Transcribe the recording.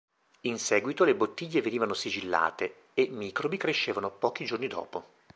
In seguito le bottiglie venivano sigillate, e microbi crescevano pochi giorni dopo.